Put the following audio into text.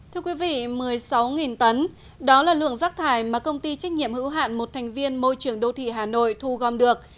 thưa quý vị một mươi sáu tấn đó là lượng rác thải mà công ty trách nhiệm hữu hạn một thành viên môi trường đô thị hà nội thu gom được